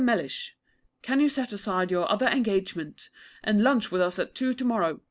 MELLISH, Can you set aside your other engagements, and lunch with us at two to morrow?